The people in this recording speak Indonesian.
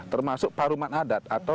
termasuk paruman adat atau